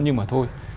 nhưng mà thôi